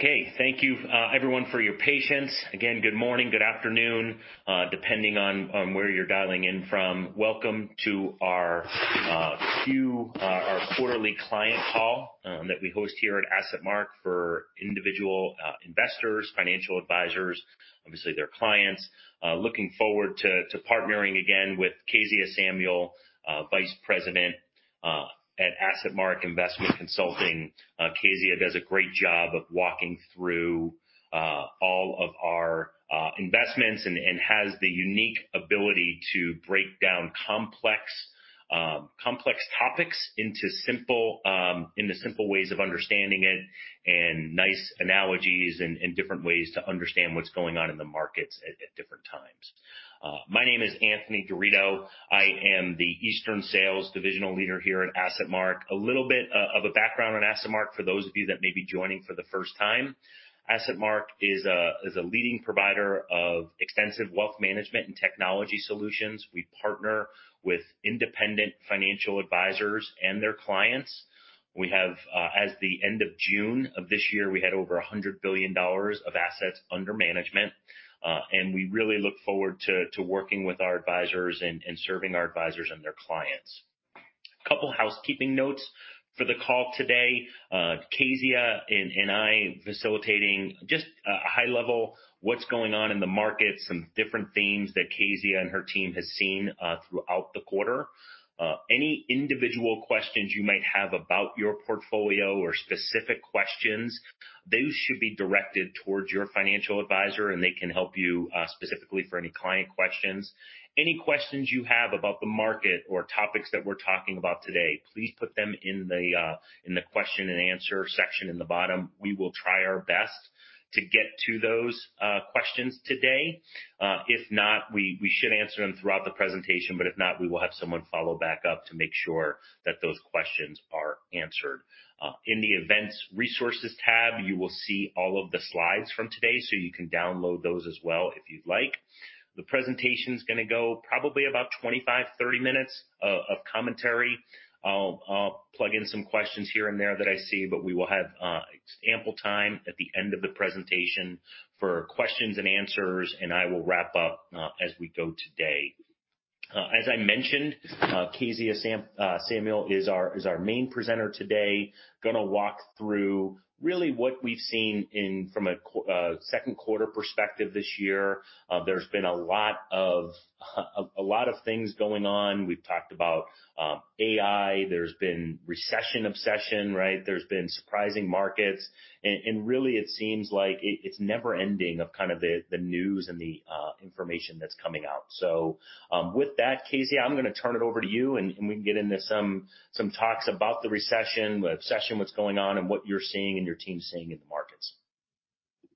Okay thank you everyone, for your patience. Again good morning, good afternoon, depending on, on where you're dialing in from. Welcome to our Q, our quarterly client call, that we host here at AssetMark for individual investors, financial advisors, obviously their clients. Looking forward to, to partnering again with Kezia Samuel, Vice President, at AssetMark Investment Consulting. Kezia does a great job of walking through all of our investments and, and has the unique ability to break down complex, complex topics into simple, into simple ways of understanding it, and nice analogies and, and different ways to understand what's going on in the markets at, at different times. My name is Anthony Garrido. I am the Eastern Sales Divisional Leader here at AssetMark. A little bit of a background on AssetMark for those of you that may be joining for the first time. AssetMark is a, is a leading provider of extensive wealth management and technology solutions. We partner with independent financial advisors and their clients. We have, As the end of June of this year, we had over $100 billion of assets under management, and we really look forward to, to working with our advisors and, and serving our advisors and their clients. Couple housekeeping notes for the call today. Kezia and, and I facilitating just a high level, what's going on in the market, some different themes that Kezia and her team has seen throughout the quarter. Any individual questions you might have about your portfolio or specific questions, those should be directed towards your financial advisor, and they can help you specifically for any client questions. Any questions you have about the market or topics that we're talking about today, please put them in the question and answer section in the bottom. We will try our best to get to those questions today. If not, we should answer them throughout the presentation, but if not, we will have someone follow back up to make sure that those questions are answered. In the Events Resources tab, you will see all of the slides from today, so you can download those as well if you'd like. The presentation's gonna go probably about 25-30 minutes of commentary. I'll, I'll plug in some questions here and there that I see, but we will have ample time at the end of the presentation for questions and answers, and I will wrap up as we go today. As I mentioned, Kezia Samuel is our main presenter today. Gonna walk through really what we've seen in from a 2nd quarter perspective this year. There's been a lot of a lot of things going on. We've talked about AI there's been Recession Obsession, right? There's been surprising markets, and really it seems like it's never-ending of kind of the, the news and the information that's coming out. With that Kezia, I'm gonna turn it over to you, and we can get into some talks about the Recession Obsession, what's going on, and what you're seeing and your team's seeing in the markets.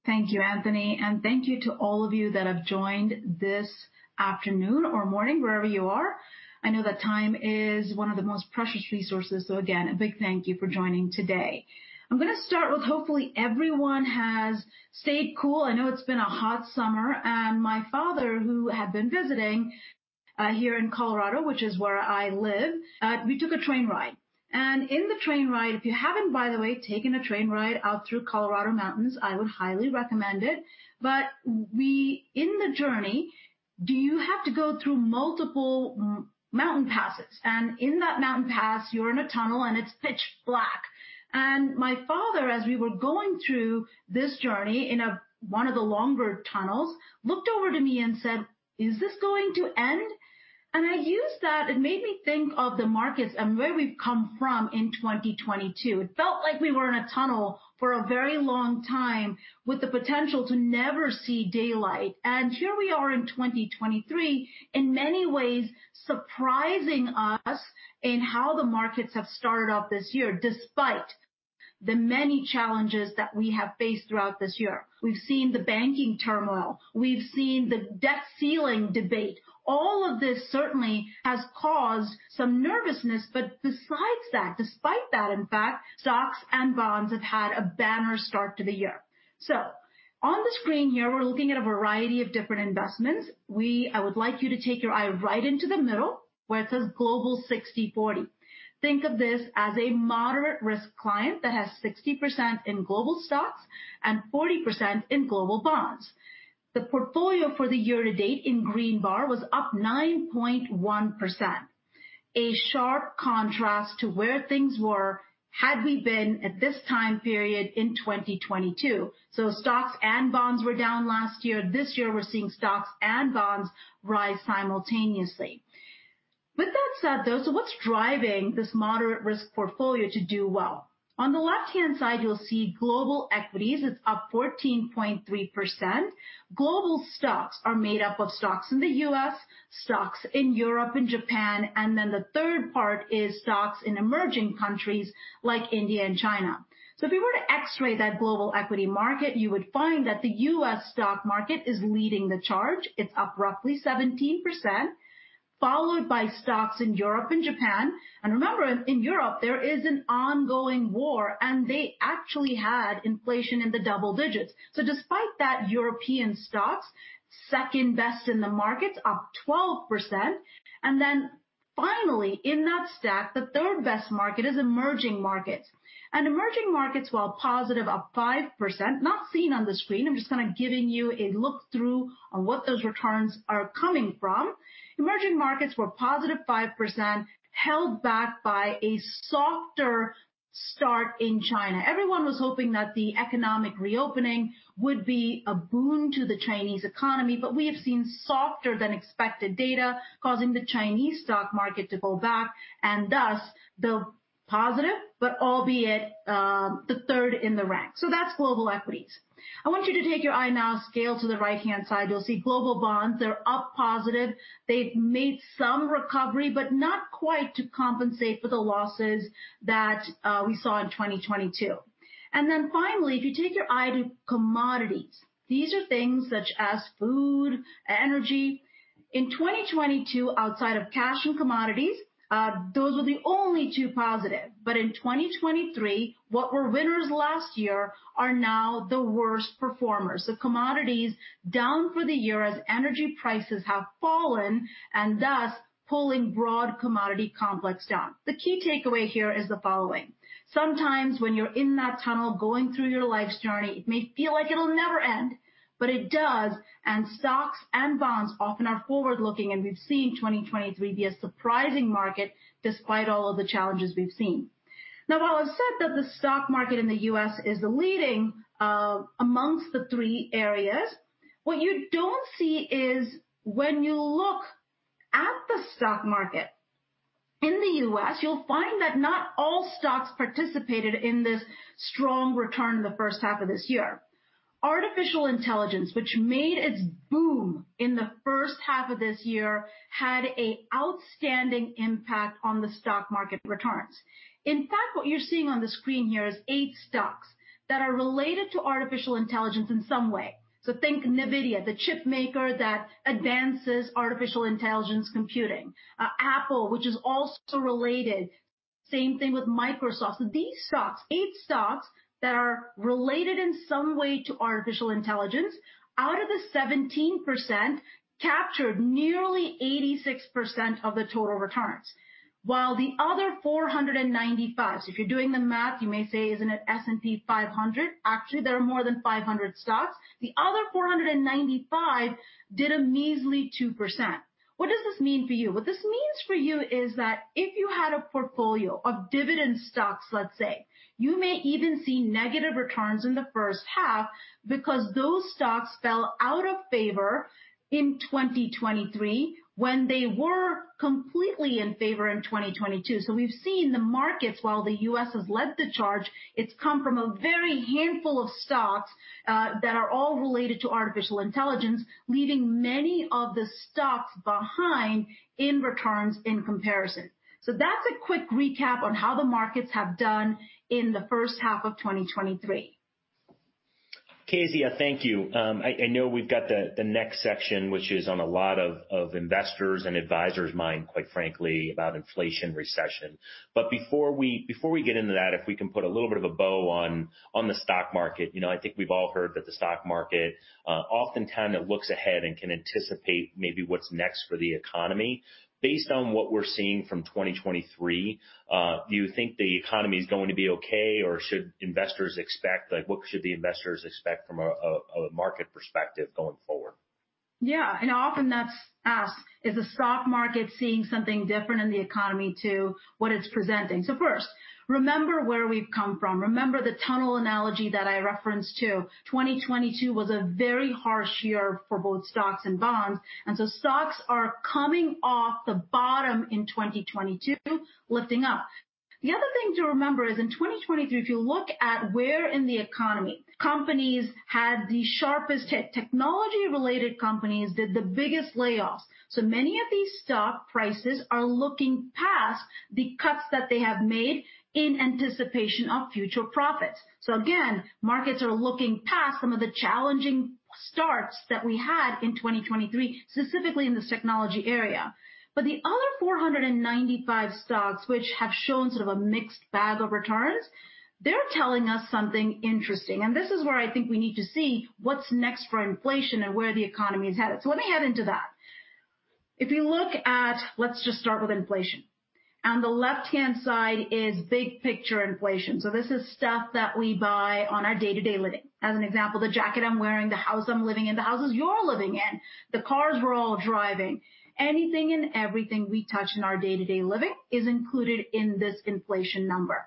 Thank you Anthony, and thank you to all of you that have joined this afternoon or morning, wherever you are. I know that time is one of the most precious resources, so again, a big thank you for joining today. I'm gonna start with hopefully everyone has stayed cool. I know it's been a hot summer, and my father, who had been visiting, here in Colorado, which is where I live, we took a train ride. In the train ride, if you haven't, by the way, taken a train ride out through Colorado Mountains, I would highly recommend it. In the journey, you have to go through multiple mountain passes, and in that mountain pass, you're in a tunnel, and it's pitch black. My father, as we were going through this journey in one of the longer tunnels, looked over to me and said, "Is this going to end?" I used that. It made me think of the markets and where we've come from in 2022. It felt like we were in a tunnel for a very long time with the potential to never see daylight. Here we are in 2023, in many ways surprising us in how the markets have started off this year, despite the many challenges that we have faced throughout this year. We've seen the banking turmoil. We've seen the debt ceiling debate. All of this certainly has caused some nervousness, but besides that, despite that, in fact, stocks and bonds have had a banner start to the year. On the screen here, we're looking at a variety of different investments. I would like you to take your eye right into the middle, where it says Global 60/40. Think of this as a moderate risk client that has 60% in global stocks and 40% in global bonds. The portfolio for the year to date in green bar was up 9.1%, a sharp contrast to where things were had we been at this time period in 2022. Stocks and bonds were down last year. This year, we're seeing stocks and bonds rise simultaneously. With that said, though, what's driving this moderate risk portfolio to do well? On the left-hand side, you'll see global equities. It's up 14.3%. Global stocks are made up of stocks in the US, stocks in Europe and Japan, and then the third part is stocks in emerging countries like India and China. If we were to X-ray that global equity market, you would find that the US stock market is leading the charge. It's up roughly 17%, followed by stocks in Europe and Japan. Remember, in Europe, there is an ongoing war, and they actually had inflation in the double digits. Despite that, European stocks, second best in the markets, up 12%, and then finally, in that stack, the third best market is emerging markets. Emerging markets, while positive, up 5%, not seen on the screen, I'm just kind of giving you a look through on what those returns are coming from. Emerging markets were positive 5%, held back by a softer start in China. Everyone was hoping that the economic reopening would be a boon to the Chinese economy, but we have seen softer than expected data, causing the Chinese stock market to go back, and thus, the positive, but albeit, the third in the rank. That's global equities. I want you to take your eye now scale to the right-hand side. You'll see global bonds. They're up positive. They've made some recovery, but not quite to compensate for the losses that we saw in 2022. Finally, if you take your eye to commodities, these are things such as food, energy. In 2022, outside of cash and commodities, those were the only two positive. In 2023, what were winners last year are now the worst performers. Commodities down for the year as energy prices have fallen, and thus pulling broad commodity complex down. The key takeaway here is the following: Sometimes when you're in that tunnel, going through your life's journey, it may feel like it'll never end, but it does, and stocks and bonds often are forward-looking, and we've seen 2023 be a surprising market despite all of the challenges we've seen. Now, while I've said that the stock market in the US is the leading amongst the three areas, what you don't see is when you look at the stock market in the U.S., you'll find that not all stocks participated in this strong return in the first half of this year. Artificial intelligence, which made its boom in the first half of this year, had a outstanding impact on the stock market returns. In fact, what you're seeing on the screen here is 8 stocks that are related to artificial intelligence in some way. Think Nvidia, the chip maker that advances artificial intelligence computing. Apple, which is also related. Same thing with Microsoft. These stocks, eight stocks that are related in some way to artificial intelligence, out of the 17%, captured nearly 86% of the total returns, while the other 495. If you're doing the math, you may say, "Isn't it S&P 500?" Actually, there are more than 500 stocks. The other 495 did a measly 2%. What does this mean for you? What this means for you is that if you had a portfolio of dividend stocks let's say, you may even see negative returns in the first half because those stocks fell out of favor in 2023 when they were completely in favor in 2022. We've seen the markets, while the U.S. has led the charge, it's come from a very handful of stocks that are all related to artificial intelligence, leaving many of the stocks behind in returns in comparison. That's a quick recap on how the markets have done in the first half of 2023. Kezia, thank you. I, I know we've got the, the next section, which is on a lot of, of investors' and advisors' mind, quite frankly, about inflation, recession. Before we, before we get into that, if we can put a little bit of a bow on, on the stock market. You know, I think we've all heard that the stock market oftentimes looks ahead and can anticipate maybe what's next for the economy. Based on what we're seeing from 2023, do you think the economy is going to be okay, or should investors expect. Like, what should the investors expect from a market perspective going forward? Yeah, often that's asked, is the stock market seeing something different in the economy to what it's presenting? First, remember where we've come from. Remember the tunnel analogy that I referenced to. 2022 was a very harsh year for both stocks and bonds, stocks are coming off the bottom in 2022, lifting up. The other thing to remember is in 2023, if you look at where in the economy, companies had the sharpest hit. Technology-related companies did the biggest layoffs. Many of these stock prices are looking past the cuts that they have made in anticipation of future profits. Again, markets are looking past some of the challenging starts that we had in 2023, specifically in this technology area. The other 495 stocks, which have shown sort of a mixed bag of returns, they're telling us something interesting, and this is where I think we need to see what's next for inflation and where the economy is headed. Let me head into that. If you look at - let's just start with inflation. On the left-hand side is big picture inflation. This is stuff that we buy on our day-to-day living. As an example, the jacket I'm wearing, the house I'm living in, the houses you're living in, the cars we're all driving. Anything and everything we touch in our day-to-day living is included in this inflation number.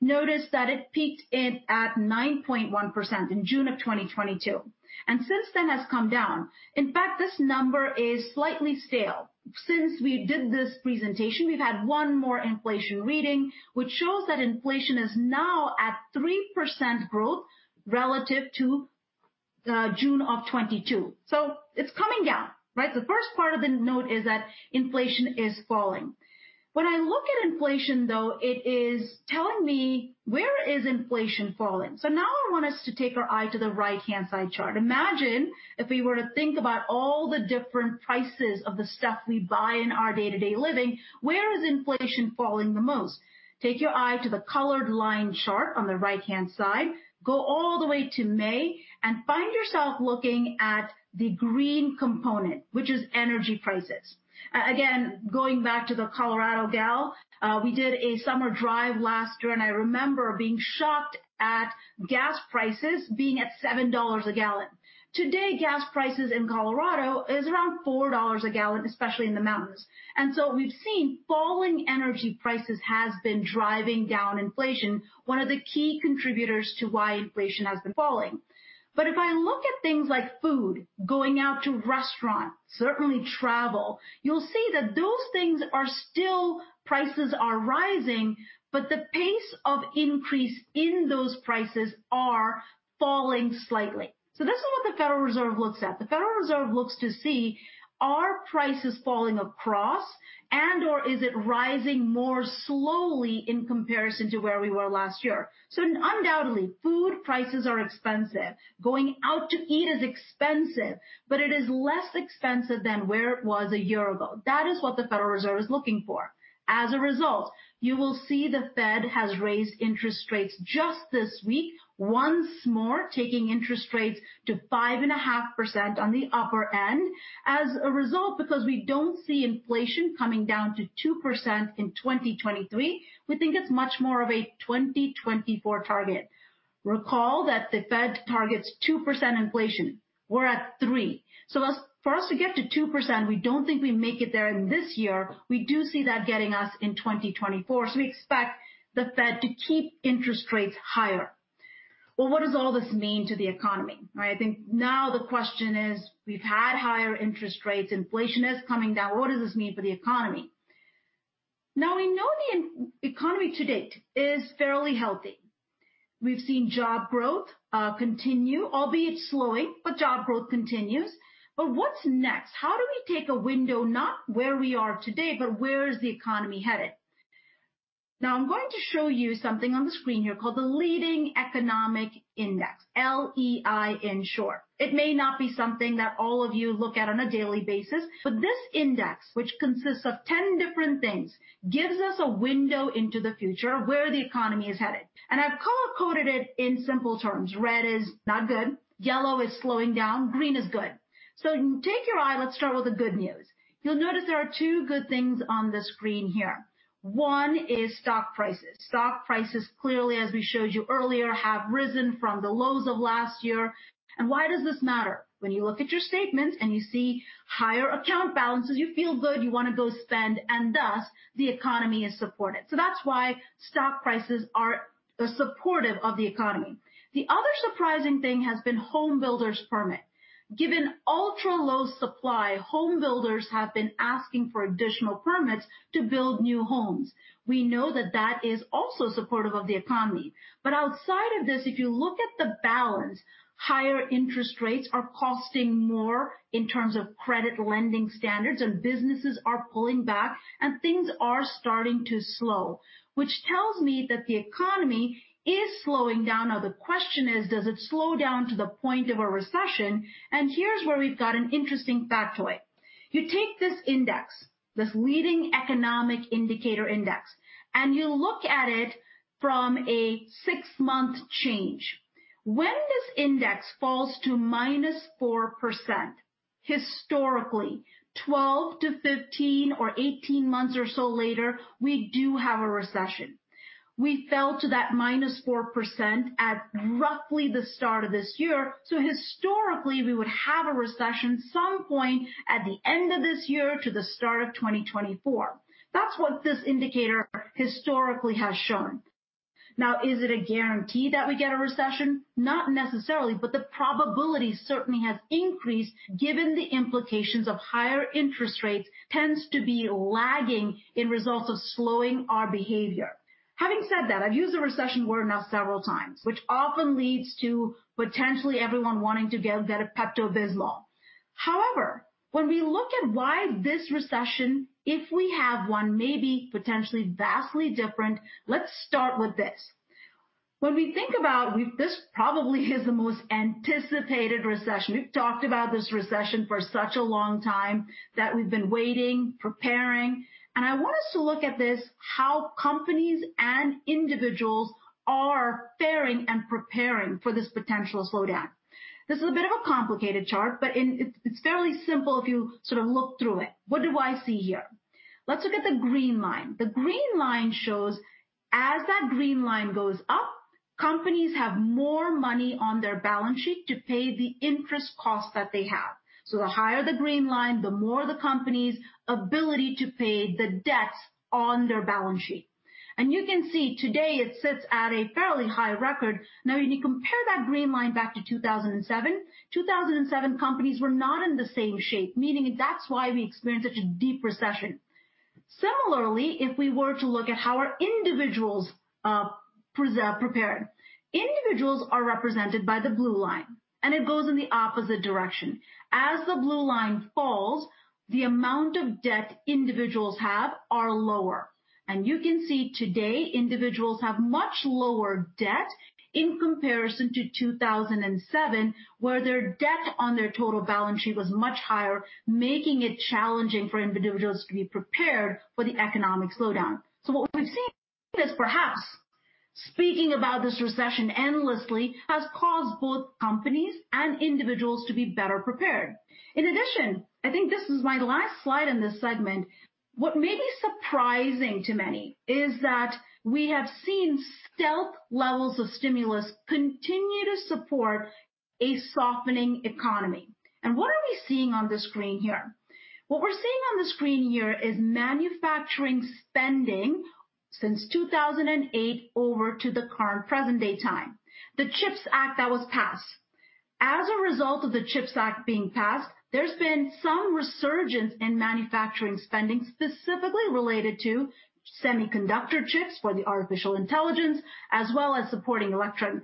Notice that it peaked in, at 9.1% in June of 2022, and since then has come down. In fact, this number is slightly stale. Since we did this presentation, we've had one more inflation reading, which shows that inflation is now at 3% growth relative to June of 2022. It's coming down, right? The first part of the note is that inflation is falling. When I look at inflation, though, it is telling me where is inflation falling. Now I want us to take our eye to the right-hand side chart. Imagine if we were to think about all the different prices of the stuff we buy in our day-to-day living, where is inflation falling the most? Take your eye to the colored line chart on the right-hand side, go all the way to May and find yourself looking at the green component, which is energy prices. Again, going back to the Colorado gal, we did a summer drive last year, and I remember being shocked. Gas prices being at $7 a gallon. Today, gas prices in Colorado is around $4 a gallon, especially in the mountains. So we've seen falling energy prices has been driving down inflation, one of the key contributors to why inflation has been falling. If I look at things like food, going out to restaurants, certainly travel, you'll see that those things are still, prices are rising, but the pace of increase in those prices are falling slightly. This is what the Federal Reserve looks at. The Federal Reserve looks to see, are prices falling across and/or is it rising more slowly in comparison to where we were last year? Undoubtedly, food prices are expensive. Going out to eat is expensive, but it is less expensive than where it was a year ago. That is what the Federal Reserve is looking for. As a result, you will see the Fed has raised interest rates just this week, once more, taking interest rates to 5.5% on the upper end. As a result, because we don't see inflation coming down to 2% in 2023, we think it's much more of a 2024 target. Recall that the Fed targets 2% inflation. We're at three. Us, for us to get to 2%, we don't think we make it there in this year. We do see that getting us in 2024, we expect the Fed to keep interest rates higher. Well, what does all this mean to the economy? I think now the question is, we've had higher interest rates, inflation is coming down. What does this mean for the economy? Now, we know the economy to date is fairly healthy. We've seen job growth continue, albeit slowing, but job growth continues. What's next? How do we take a window, not where we are today, but where is the economy headed? I'm going to show you something on the screen here called the Leading Economic Index, LEI, in short. It may not be something that all of you look at on a daily basis, but this index, which consists of 10 different things, gives us a window into the future where the economy is headed. I've color-coded it in simple terms. Red is not good, yellow is slowing down, green is good. Take your eye, let's start with the good news. You'll notice there are two good things on the screen here. One is stock prices. Stock prices, clearly, as we showed you earlier, have risen from the lows of last year. Why does this matter? When you look at your statements and you see higher account balances, you feel good, you wanna go spend, and thus, the economy is supported. That's why stock prices are supportive of the economy. The other surprising thing has been home builders permit. Given ultra-low supply, home builders have been asking for additional permits to build new homes. We know that that is also supportive of the economy. Outside of this, if you look at the balance, higher interest rates are costing more in terms of credit lending standards, and businesses are pulling back and things are starting to slow, which tells me that the economy is slowing down. The question is, does it slow down to the point of a recession? Here's where we've got an interesting factoid. You take this index, this Leading Economic Index, indicator index, you look at it from a six month change. When this index falls to -4%, historically, 12-15 or 18 months or so later, we do have a recession. We fell to that -4% at roughly the start of this year, historically, we would have a recession some point at the end of this year to the start of 2024. That's what this indicator historically has shown. Is it a guarantee that we get a recession? Not necessarily, the probability certainly has increased given the implications of higher interest rates tends to be lagging in results of slowing our behavior. Having said that, I've used the recession word now several times, which often leads to potentially everyone wanting to go get a Pepto-Bismol. However, when we look at why this recession, if we have one, may be potentially vastly different, let's start with this. When we think about this probably is the most anticipated recession. We've talked about this recession for such a long time, that we've been waiting, preparing, and I want us to look at this, how companies and individuals are faring and preparing for this potential slowdown. This is a bit of a complicated chart, but it's fairly simple if you sort of look through it. What do I see here? Let's look at the green line. The green line shows, as that green line goes up, companies have more money on their balance sheet to pay the interest cost that they have. The higher the green line, the more the company's ability to pay the debts on their balance sheet. You can see today, it sits at a fairly high record. When you compare that green line back to 2007, 2007 companies were not in the same shape, meaning that's why we experienced such a deep recession. Similarly, if we were to look at how are individuals prepared. Individuals are represented by the blue line and it goes in the opposite direction. As the blue line falls, the amount of debt individuals have are lower, and you can see today, individuals have much lower debt in comparison to 2007, where their debt on their total balance sheet was much higher, making it challenging for individuals to be prepared for the economic slowdown. What we've seen is perhaps speaking about this recession endlessly has caused both companies and individuals to be better prepared. In addition, I think this is my last slide in this segment. What may be surprising to many is that we have seen stealth levels of stimulus continue to support a softening economy. What are we seeing on the screen here? What we're seeing on the screen here is manufacturing spending since 2008 over to the current present-day time. The CHIPS Act that was passed. As a result of the CHIPS Act being passed, there's been some resurgence in manufacturing spending, specifically related to semiconductor chips for the artificial intelligence, as well as supporting electron,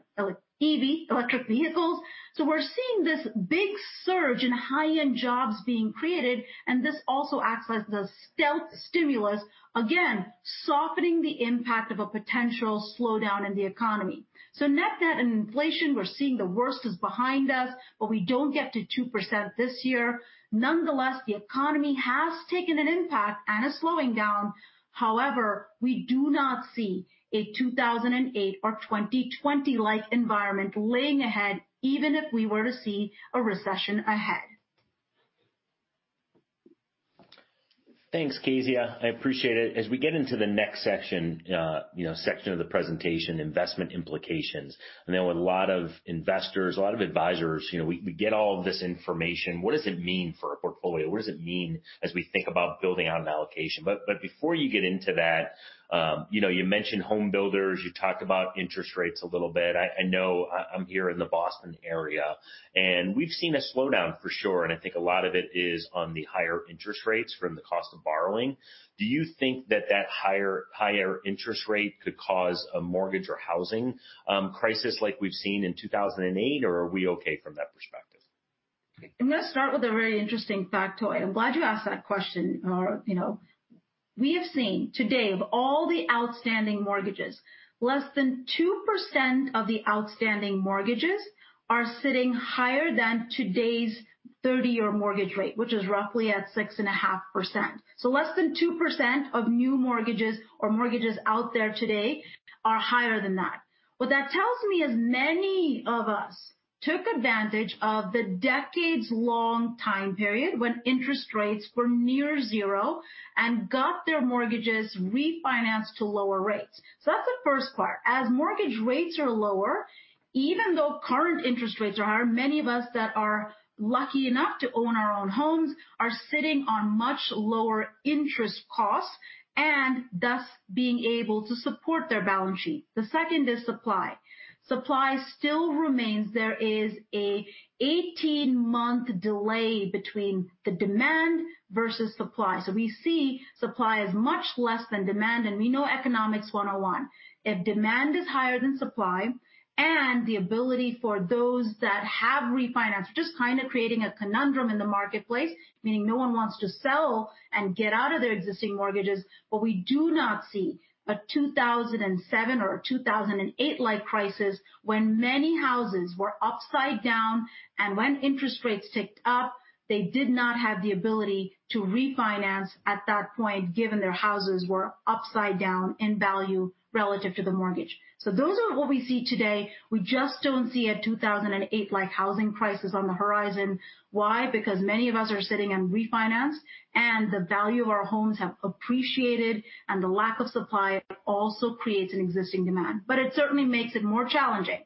EV, electric vehicles. We're seeing this big surge in high-end jobs being created, and this also acts as the stealth stimulus, again, softening the impact of a potential slowdown in the economy. Net debt and inflation, we're seeing the worst is behind us. We don't get to 2% this year. Nonetheless, the economy has taken an impact and is slowing down. We do not see a 2008 or 2020-like environment laying ahead, even if we were to see a recession ahead. Thanks, Kezia. I appreciate it. As we get into the next section, you know, section of the presentation, investment implications, I know a lot of investors, a lot of advisors, you know, we, we get all this information. What does it mean for a portfolio? What does it mean as we think about building out an allocation? But before you get into that, you know, you mentioned homebuilders, you talked about interest rates a little bit. I, I know I, I'm here in the Boston area, and we've seen a slowdown for sure, and I think a lot of it is on the higher interest rates from the cost of borrowing. Do you think that that higher, higher interest rate could cause a mortgage or housing crisis like we've seen in 2008, or are we okay from that perspective? I'm going to start with a very interesting factoid. I'm glad you asked that question, you know. We have seen to date, of all the outstanding mortgages, less than 2% of the outstanding mortgages are sitting higher than today's 30-year mortgage rate, which is roughly at 6.5%. Less than 2% of new mortgages or mortgages out there today are higher than that. What that tells me is many of us took advantage of the decades-long time period when interest rates were near zero and got their mortgages refinanced to lower rates. That's the first part. As mortgage rates are lower, even though current interest rates are higher, many of us that are lucky enough to own our own homes are sitting on much lower interest costs and thus being able to support their balance sheet. The second is supply. Supply still remains. There is a 18-month delay between the demand versus supply. We see supply is much less than demand, and we know economics 101. If demand is higher than supply, and the ability for those that have refinanced, we're just kind of creating a conundrum in the marketplace, meaning no one wants to sell and get out of their existing mortgages. We do not see a 2007 or a 2008-like crisis when many houses were upside down, and when interest rates ticked up, they did not have the ability to refinance at that point, given their houses were upside down in value relative to the mortgage. Those are what we see today. We just don't see a 2008-like housing crisis on the horizon. Why? Because many of us are sitting and refinanced, and the value of our homes have appreciated, and the lack of supply also creates an existing demand. It certainly makes it more challenging.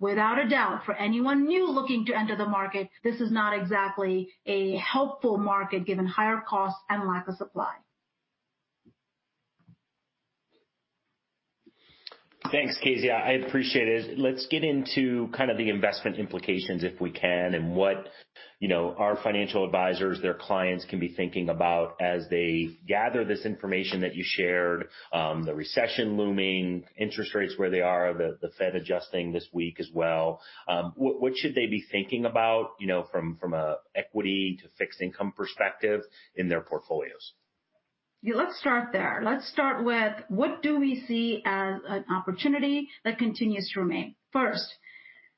Without a doubt, for anyone new looking to enter the market, this is not exactly a helpful market, given higher costs and lack of supply. Thanks, Kezia. I appreciate it. Let's get into kind of the investment implications, if we can, and what, you know, our financial advisors, their clients can be thinking about as they gather this information that you shared, the recession looming, interest rates where they are, the, the Fed adjusting this week as well. What, what should they be thinking about, you know, from, from a equity to fixed income perspective in their portfolios? Yeah, let's start there. Let's start with: what do we see as an opportunity that continues to remain? First,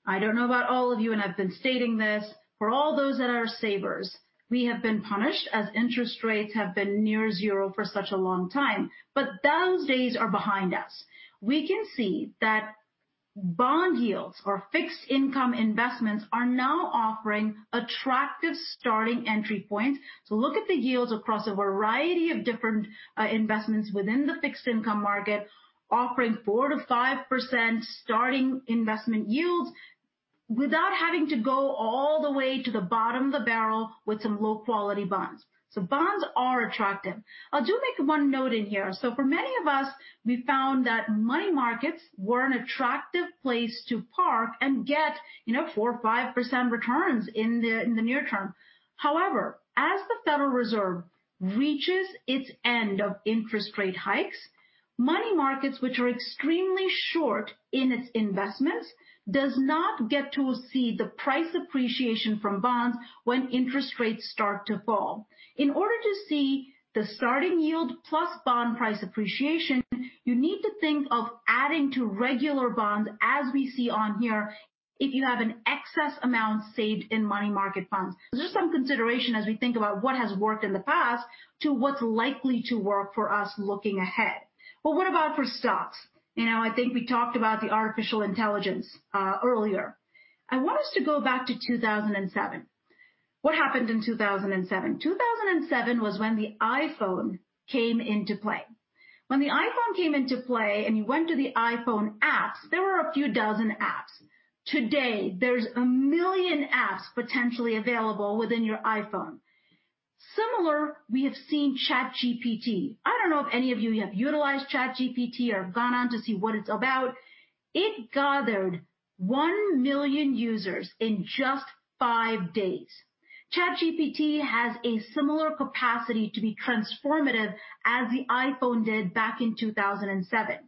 I don't know about all of you, I've been stating this, for all those that are savers, we have been punished as interest rates have been near zero for such a long time. Those days are behind us. We can see that bond yields or fixed income investments are now offering attractive starting entry points. Look at the yields across a variety of different investments within the fixed income market, offering 4%-5% starting investment yields without having to go all the way to the bottom of the barrel with some low-quality bonds. Bonds are attractive. I'll do make one note in here. For many of us, we found that money markets were an attractive place to park and get, you know, 4%, 5% returns in the, in the near term. However, as the Federal Reserve reaches its end of interest rate hikes, money markets, which are extremely short in its investments, does not get to see the price appreciation from bonds when interest rates start to fall. In order to see the starting yield plus bond price appreciation, you need to think of adding to regular bonds, as we see on here, if you have an excess amount saved in money market funds. just some consideration as we think about what has worked in the past to what's likely to work for us looking ahead. What about for stocks? You know, I think we talked about the artificial intelligence earlier. I want us to go back to 2007. What happened in 2007? 2007 was when the iPhone came into play. When the iPhone came into play, and you went to the iPhone apps, there were a few dozen apps. Today, there's 1 million apps potentially available within your iPhone. Similar, we have seen ChatGPT. I don't know if any of you have utilized ChatGPT or have gone on to see what it's about. It gathered 1 million users in just 5 days. ChatGPT has a similar capacity to be transformative as the iPhone did back in 2007.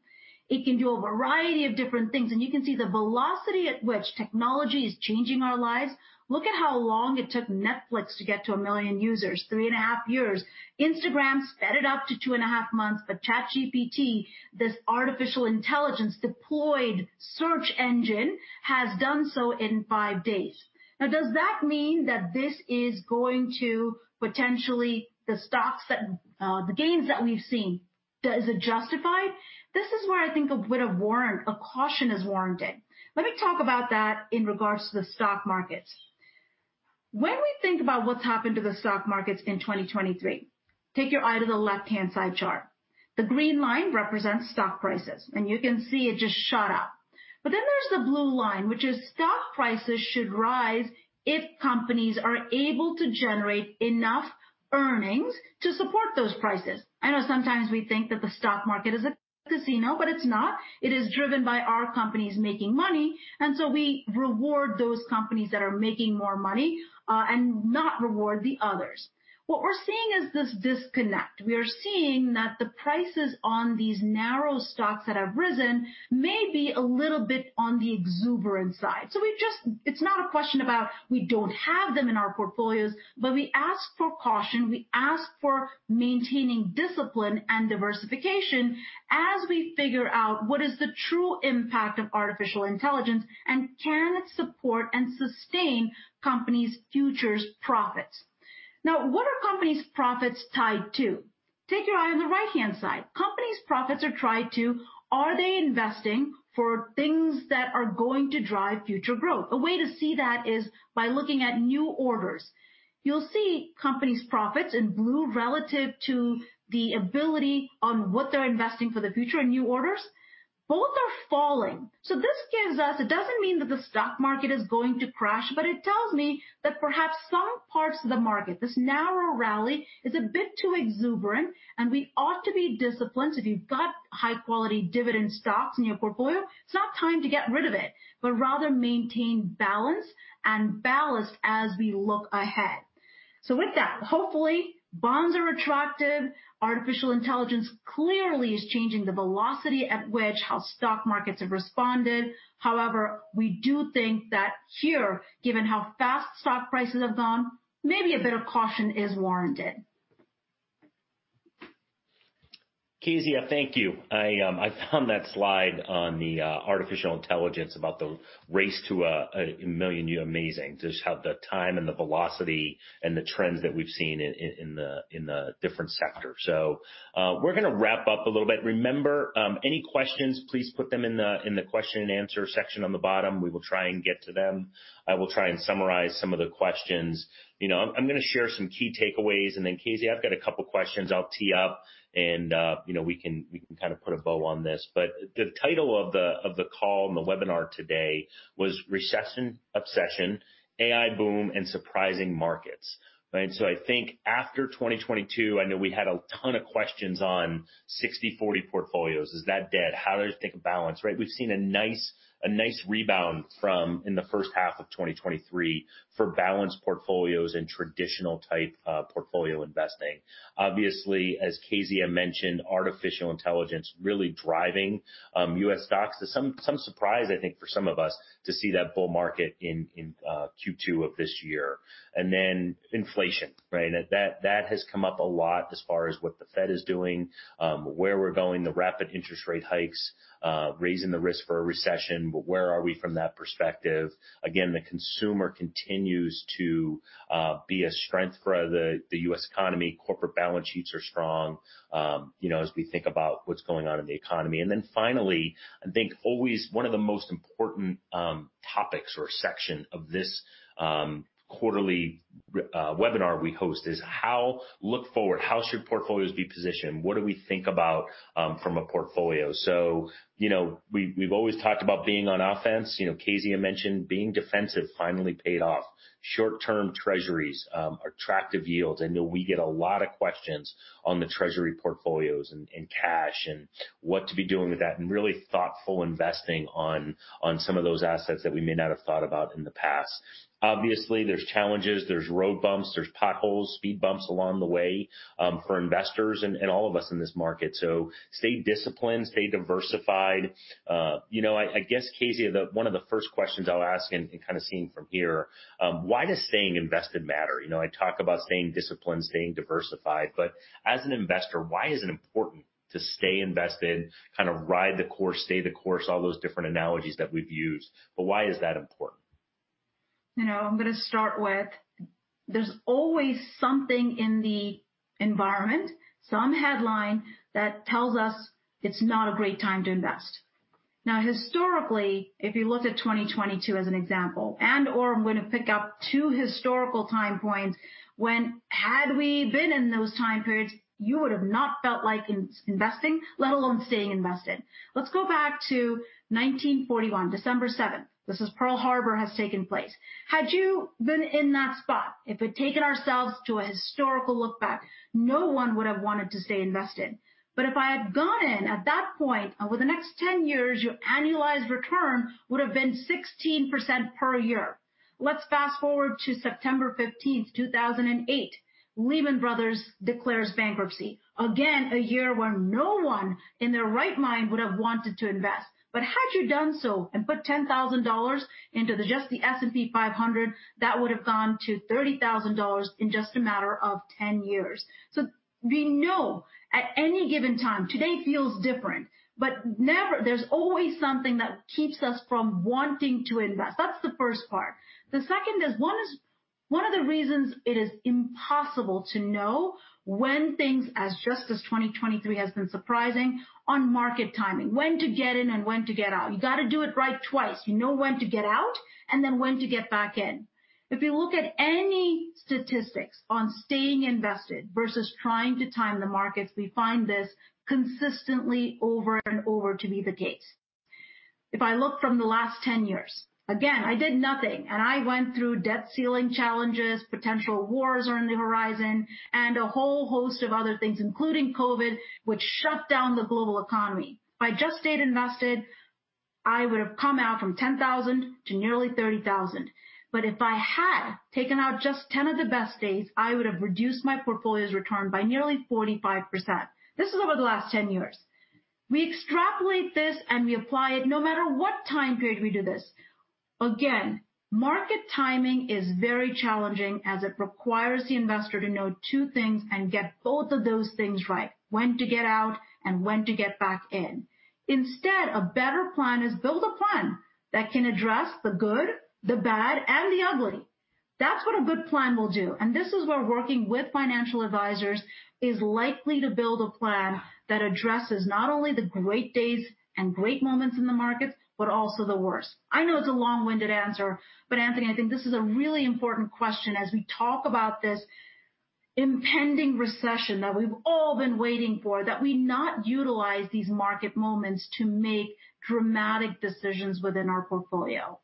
It can do a variety of different things, and you can see the velocity at which technology is changing our lives. Look at how long it took Netflix to get to 1 million users, 3.5 years. Instagram sped it up to 2.5 months. ChatGPT, this artificial intelligence-deployed search engine, has done so in five days. Now, does that mean that this is going to potentially, the stocks that the gains that we've seen, is it justified? This is where I think a bit of warrant, a caution is warranted. Let me talk about that in regards to the stock markets. When we think about what's happened to the stock markets in 2023, take your eye to the left-hand side chart. The green line represents stock prices, and you can see it just shot up. Then there's the blue line, which is stock prices should rise if companies are able to generate enough earnings to support those prices. I know sometimes we think that the stock market is a casino, but it's not. It is driven by our companies making money, and so we reward those companies that are making more money, and not reward the others. What we're seeing is this disconnect. We are seeing that the prices on these narrow stocks that have risen may be a little bit on the exuberant side. It's not a question about we don't have them in our portfolios, but we ask for caution, we ask for maintaining discipline and diversification as we figure out what is the true impact of artificial intelligence, and can it support and sustain companies' futures profits? What are companies' profits tied to? Take your eye on the right-hand side. Companies' profits are tied to, are they investing for things that are going to drive future growth? A way to see that is by looking at new orders. You'll see companies' profits in blue relative to the ability on what they're investing for the future in new orders. Both are falling. This gives us. It doesn't mean that the stock market is going to crash, but it tells me that perhaps some parts of the market, this narrow rally, is a bit too exuberant and we ought to be disciplined. With that, hopefully, bonds are attractive. Artificial intelligence clearly is changing the velocity at which how stock markets have responded. We do think that here, given how fast stock prices have gone, maybe a bit of caution is warranted. Kezia, thank you. I found that slide on the artificial intelligence about the race to a million, amazing. Just how the time and the velocity and the trends that we've seen in, in, in the, in the different sectors. We're gonna wrap up a little bit. Remember, any questions, please put them in the, in the question and answer section on the bottom, we will try and get to them. I will try and summarize some of the questions. You know, I'm, I'm gonna share some key takeaways, and then, Kezia I've got a couple questions I'll tee up and, you know, we can, we can kind of put a bow on this. The title of the, of the call and the webinar today was Recession Obsession: AI Boom and Surprising Markets. Right? I think after 2022, I know we had a ton of questions on 60/40 portfolios. Is that dead? How do I think of balance, right? We've seen a nice, a nice rebound from in the first half of 2023 for balanced portfolios and traditional type, portfolio investing. Obviously, as Kezia mentioned, artificial intelligence really driving, U.S. stocks. To some, some surprise, I think, for some of us, to see that bull market in, Q2 of this year. Inflation, right? That, that, that has come up a lot as far as what the Fed is doing, where we're going, the rapid interest rate hikes, raising the risk for a recession, but where are we from that perspective? Again, the consumer continues to be a strength for the, the U.S. economy. Corporate balance sheets are strong, you know, as we think about what's going on in the economy. Finally, I think always one of the most important topics or section of this quarterly webinar we host is how - look forward, how should portfolios be positioned? What do we think about from a portfolio? You know, we've, we've always talked about being on offense. You know, Kezia mentioned being defensive finally paid off. Short-term treasuries, attractive yields. I know we get a lot of questions on the treasury portfolios and, and cash and what to be doing with that, and really thoughtful investing on, on some of those assets that we may not have thought about in the past. Obviously, there's challenges, there's road bumps, there's potholes, speed bumps along the way, for investors and, and all of us in this market. Stay disciplined, stay diversified. You know, I, I guess Kezia, one of the first questions I'll ask and, and kind of seeing from here, why does staying invested matter? You know, I talk about staying disciplined, staying diversified, but as an investor, why is it important to stay invested, kind of ride the course, stay the course, all those different analogies that we've used, but why is that important? You know, I'm gonna start with, there's always something in the environment, some headline that tells us it's not a great time to invest. Now historically, if you look at 2022 as an example, and/or I'm going to pick up two historical time points when, had we been in those time periods, you would have not felt like in-investing, let alone staying invested. Let's go back to 1941, December 7th. This is Pearl Harbor has taken place. Had you been in that spot, if we'd taken ourselves to a historical look back, no one would have wanted to stay invested. If I had gone in at that point, over the next 10 years, your annualized return would have been 16% per year. Let's fast-forward to September 15th, 2008. Lehman Brothers declares bankruptcy. Again, a year where no one in their right mind would have wanted to invest. Had you done so and put $10,000 into the, just the S&P 500, that would have gone to $30,000 in just a matter of 10 years. We know at any given time, today feels different, but never - there's always something that keeps us from wanting to invest. That's the first part. The second is, one of the reasons it is impossible to know when things, as just as 2023 has been surprising, on market timing, when to get in and when to get out. You got to do it right twice. You know when to get out and then when to get back in. If you look at any statistics on staying invested versus trying to time the markets, we find this consistently over and over to be the case. If I look from the last 10 years, again, I did nothing, and I went through debt ceiling challenges, potential wars are on the horizon, and a whole host of other things, including COVID, which shut down the global economy. If I just stayed invested, I would have come out from $10,000 to nearly $30,000. If I had taken out just 10 of the best days, I would have reduced my portfolio's return by nearly 45%. This is over the last 10 years. We extrapolate this, and we apply it no matter what time period we do this. Again, market timing is very challenging as it requires the investor to know two things and get both of those things right: when to get out and when to get back in. Instead, a better plan is build a plan that can address the good, the bad, and the ugly. That's what a good plan will do. This is where working with financial advisors is likely to build a plan that addresses not only the great days and great moments in the markets, but also the worst. I know it's a long-winded answer. Anthony, I think this is a really important question as we talk about this impending recession that we've all been waiting for, that we not utilize these market moments to make dramatic decisions within our portfolio.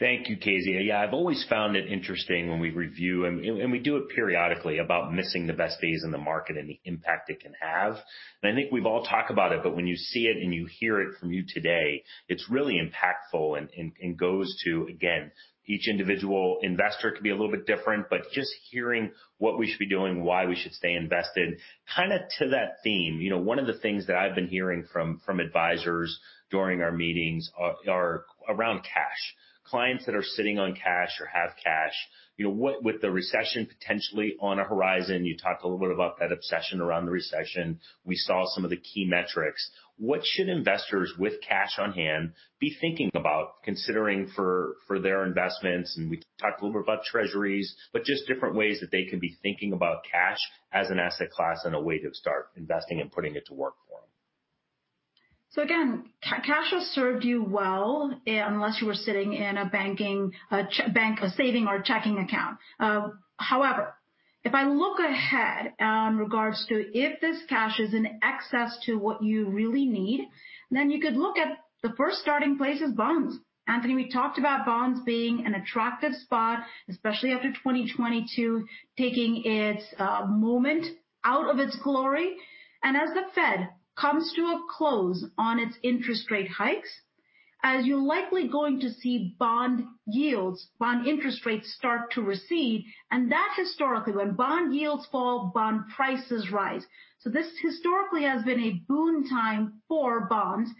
Thank you, Kezia. Yeah, I've always found it interesting when we review, and we do it periodically, about missing the best days in the market and the impact it can have. I think we've all talked about it, but when you see it and you hear it from you today, it's really impactful and goes to, again, each individual investor can be a little bit different, but just hearing what we should be doing, why we should stay invested. Kind of to that theme, you know, one of the things that I've been hearing from advisors during our meetings are around cash. Clients that are sitting on cash or have cash. You know, with the recession potentially on a horizon, you talked a little bit about that obsession around the recession. We saw some of the key metrics. What should investors with cash on hand be thinking about considering for, for their investments? We talked a little bit about treasuries, but just different ways that they could be thinking about cash as an asset class and a way to start investing and putting it to work for them. Again, cash has served you well, unless you were sitting in a banking, a bank, a saving or checking account. However, if I look ahead in regards to if this cash is in excess to what you really need, then you could look at the first starting place is bonds. Anthony, we talked about bonds being an attractive spot, especially after 2022, taking its moment out of its glory. As the Fed comes to a close on its interest rate hikes, as you're likely going to see bond yields, bond interest rates start to recede, and that historically, when bond yields fall, bond prices rise. This historically has been a boon time for bonds.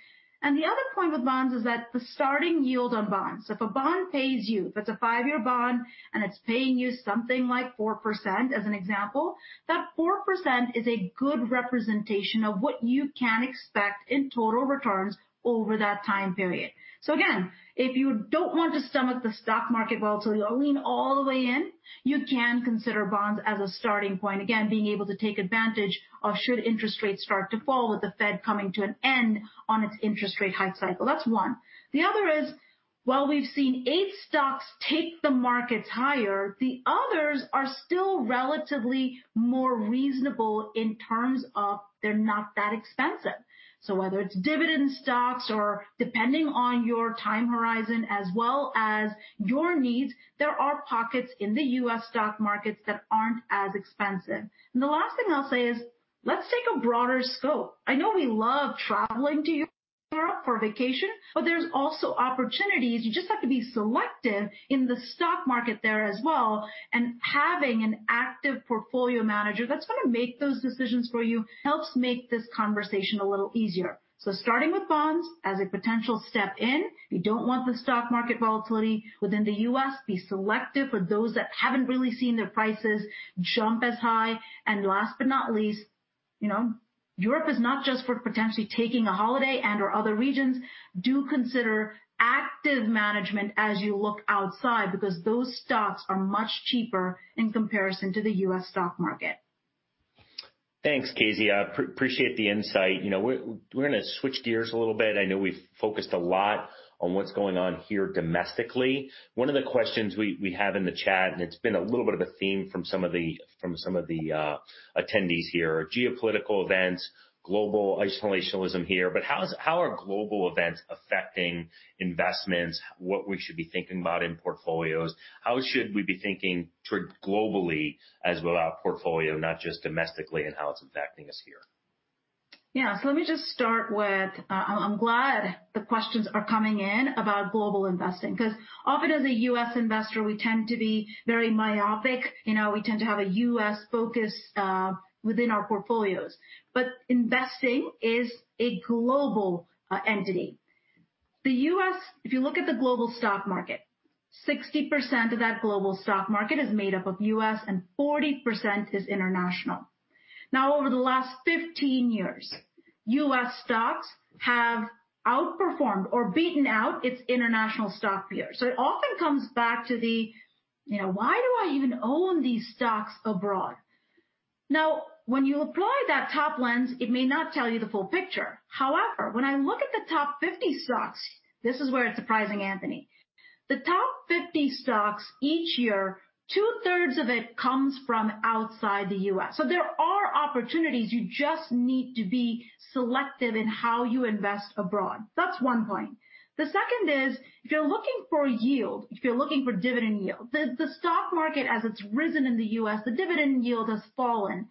The other point with bonds is that the starting yield on bonds, so if a bond pays you, if it's a five-year bond and it's paying you something like 4%, as an example, that 4% is a good representation of what you can expect in total returns over that time period. Again, if you don't want the stomach, the stock market volatility, or lean all the way in, you can consider bonds as a starting point. Again, being able to take advantage of, should interest rates start to fall with the Fed coming to an end on its interest rate hike cycle. That's one. The other is, while we've seen eight stocks take the markets higher, the others are still relatively more reasonable in terms of they're not that expensive. Whether it's dividend stocks or depending on your time horizon as well as your needs, there are pockets in the US stock markets that aren't as expensive. The last thing I'll say is, let's take a broader scope. I know we love traveling to Europe for a vacation, but there's also opportunities. You just have to be selective in the stock market there as well, and having an active portfolio manager that's gonna make those decisions for you, helps make this conversation a little easier. Starting with bonds as a potential step in, you don't want the stock market volatility within the US. Be selective with those that haven't really seen their prices jump as high. Last but not least, you know, Europe is not just for potentially taking a holiday and/or other regions. Do consider active management as you look outside, because those stocks are much cheaper in comparison to the U.S. stock market. Thanks, Kezia. I appreciate the insight. You know, we're, we're gonna switch gears a little bit. I know we've focused a lot on what's going on here domestically. One of the questions we, we have in the chat, and it's been a little bit of a theme from some of the, from some of the attendees here, are geopolitical events, global isolationism here. How are global events affecting investments, what we should be thinking about in portfolios? How should we be thinking toward globally as about our portfolio, not just domestically, and how it's affecting us here? Yeah. Let me just start with, I, I'm glad the questions are coming in about global investing, 'cause often as a US investor, we tend to be very myopic. You know, we tend to have a US focus within our portfolios. Investing is a global entity. The U.S., If you look at the global stock market, 60% of that global stock market is made up of US, and 40% is international. Over the last 15 years, U.S. stocks have outperformed or beaten out its international stock peers. It often comes back to the, you know, why do I even own these stocks abroad? When you apply that top lens, it may not tell you the full picture. However, when I look at the top 50 stocks, this is where it's surprising, Anthony. The top 50 stocks each year, two-thirds of it comes from outside the U.S. There are opportunities. You just need to be selective in how you invest abroad. That's one point. The second is, if you're looking for yield, if you're looking for dividend yield, the, the stock market, as it's risen in the U.S., the dividend yield has fallen.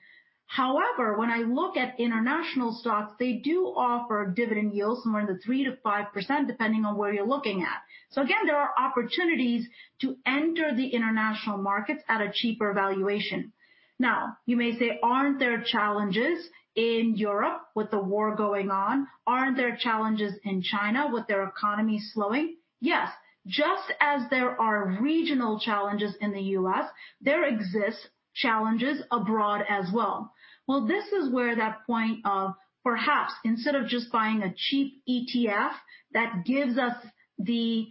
However, when I look at international stocks, they do offer dividend yields somewhere in the 3%-5%, depending on where you're looking at. Again, there are opportunities to enter the international markets at a cheaper valuation. Now, you may say: Aren't there challenges in Europe with the war going on? Aren't there challenges in China with their economy slowing? Yes, just as there are regional challenges in the U.S., there exists challenges abroad as well. Well, this is where that point of perhaps instead of just buying a cheap ETF, that gives us the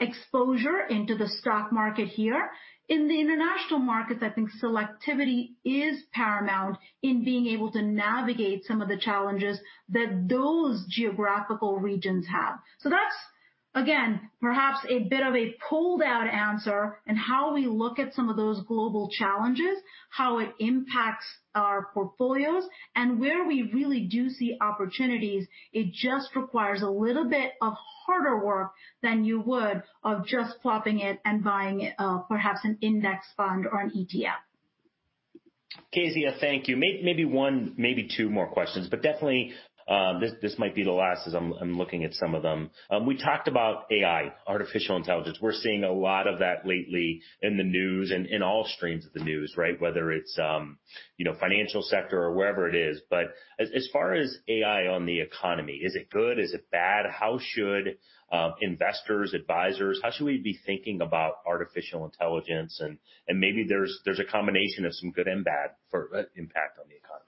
exposure into the stock market here. In the international markets, I think selectivity is paramount in being able to navigate some of the challenges that those geographical regions have. That's, again, perhaps a bit of a pulled out answer in how we look at some of those global challenges, how it impacts our portfolios, and where we really do see opportunities. It just requires a little bit of harder work than you would of just plopping it and buying perhaps an index fund or an ETF. Kezia, thank you. May - maybe one, maybe two more questions, but definitely, this, this might be the last as I'm, I'm looking at some of them. We talked about AI, artificial intelligence. We're seeing a lot of that lately in the news and in all streams of the news, right? Whether it's, you know, financial sector or wherever it is. As, as far as AI on the economy, is it good? Is it bad? How should investors, advisors, how should we be thinking about artificial intelligence? And maybe there's, there's a combination of some good and bad for impact on the economy.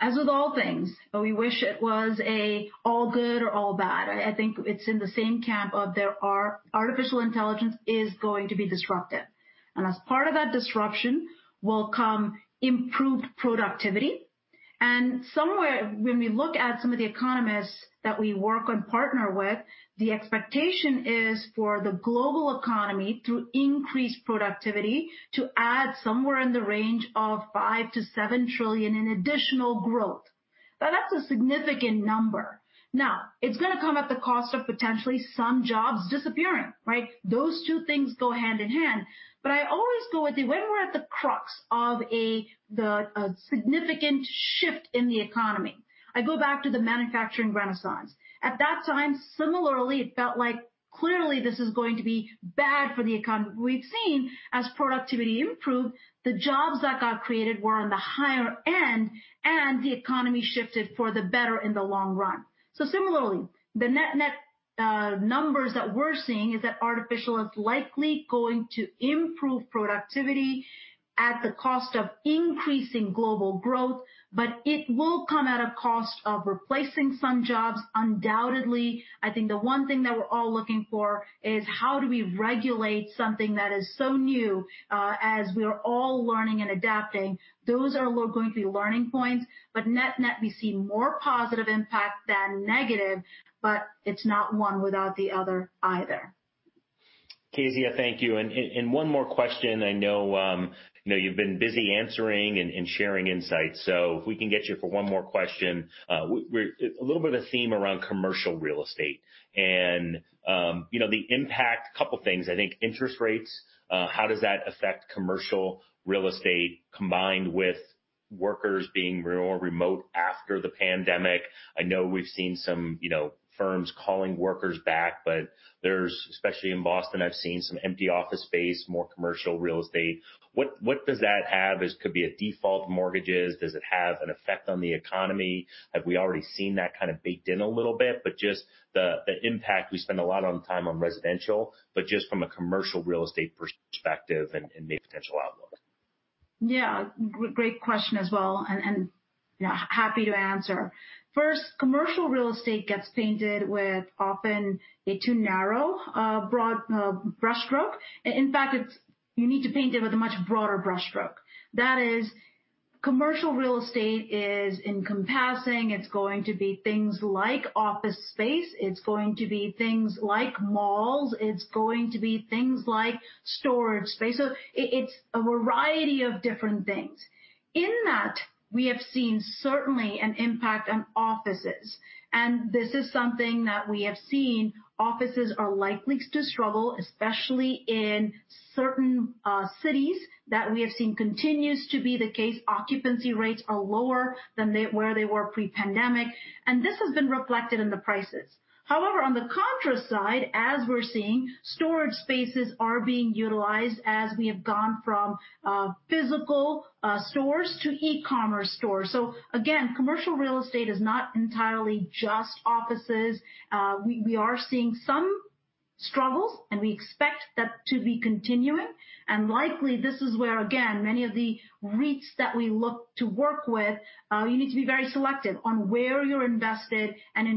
As with all things, we wish it was a all good or all bad. I, I think it's in the same camp of there are... Artificial intelligence is going to be disruptive, and as part of that disruption, will come improved productivity. Somewhere, when we look at some of the economists that we work and partner with, the expectation is for the global economy to increase productivity, to add somewhere in the range of $5 trillion-$7 trillion in additional growth. Now, that's a significant number. Now, it's gonna come at the cost of potentially some jobs disappearing, right? Those two things go hand in hand. I always go with the, whenever we're at the crux of a significant shift in the economy, I go back to the manufacturing renaissance. At that time, similarly, it felt like clearly this is going to be bad for the economy. We've seen, as productivity improved, the jobs that got created were on the higher end, and the economy shifted for the better in the long run. Similarly, the net-net numbers that we're seeing is that artificial is likely going to improve productivity at the cost of increasing global growth, but it will come at a cost of replacing some jobs, undoubtedly. I think the one thing that we're all looking for is how do we regulate something that is so new, as we are all learning and adapting? Those are all going to be learning points, net-net, we see more positive impact than negative, but it's not one without the other either. Kezia, thank you. And, and, one more question. I know, you know, you've been busy answering and, and sharing insights, so if we can get you for 1 more question. A little bit of theme around commercial real estate and, you know, the impact, couple things, I think interest rates, how does that affect commercial real estate, combined with workers being more remote after the pandemic? I know we've seen some, you know, firms calling workers back, but especially in Boston, I've seen some empty office space, more commercial real estate. What, what does that have? This could be a default mortgages. Does it have an effect on the economy? Have we already seen that kind of baked in a little bit? Just the, the impact, we spend a lot on time on residential, but just from a commercial real estate perspective and, and the potential outlook. Yeah, great question as well, and yeah, happy to answer. First, commercial real estate gets painted with often a too narrow, broad brush stroke. In fact, it's, you need to paint it with a much broader brush stroke. That is, commercial real estate is encompassing, it's going to be things like office space, it's going to be things like malls, it's going to be things like storage space. It, it's a variety of different things. In that, we have seen certainly an impact on offices, and this is something that we have seen. Offices are likely to struggle, especially in certain cities that we have seen continues to be the case. Occupancy rates are lower than they where they were pre-pandemic, and this has been reflected in the prices. However, on the contra side, as we're seeing, storage spaces are being utilized as we have gone from physical stores to e-commerce stores. Again, commercial real estate is not entirely just offices. We are seeing some struggles, and we expect that to be continuing. Likely, this is where, again, many of the REITs that we look to work with, you need to be very selective on where you're invested and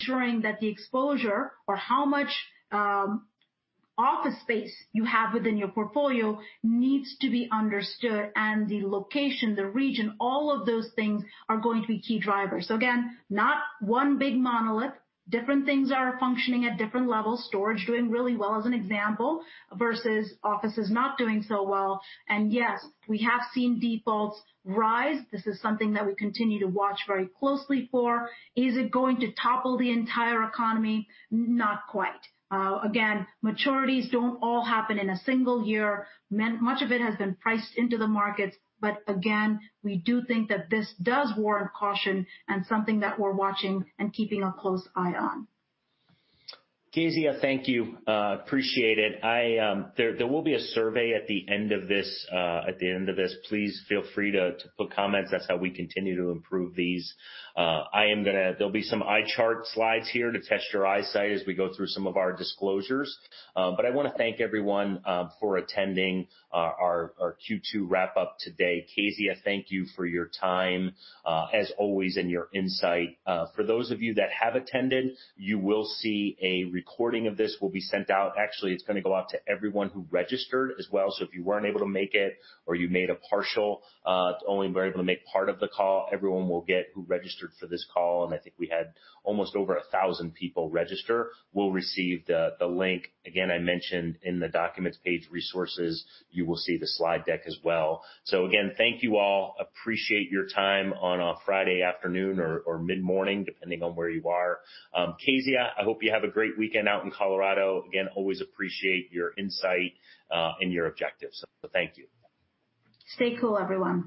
ensuring that the exposure or how much office space you have within your portfolio needs to be understood, and the location, the region, all of those things are going to be key drivers. Again, not one big monolith. Different things are functioning at different levels. Storage doing really well as an example, versus offices not doing so well. Yes, we have seen defaults rise. This is something that we continue to watch very closely for. Is it going to topple the entire economy? Not quite. Again, maturities don't all happen in a single year. much of it has been priced into the markets, but again, we do think that this does warrant caution and something that we're watching and keeping a close eye on. Kezia, thank you. I appreciate it. There, there will be a survey at the end of this, at the end of this. Please feel free to, to put comments. That's how we continue to improve these. There'll be some eye chart slides here to test your eyesight as we go through some of our disclosures. I wanna thank everyone for attending our Q2 wrap-up today. Kezia thank you for your time, as always, and your insight. For those of you that have attended, you will see a recording of this will be sent out. Actually, it's gonna go out to everyone who registered as well. If you weren't able to make it or you made a partial, only were able to make part of the call, everyone will get who registered for this call, and I think we had almost over 1,000 people register, will receive the, the link. Again, I mentioned in the Documents page, Resources, you will see the slide deck as well. Again, thank you all. Appreciate your time on a Friday afternoon or, or mid-morning, depending on where you are. Kezia, I hope you have a great weekend out in Colorado. Again, always appreciate your insight and your objectives. Thank you. Stay cool, everyone.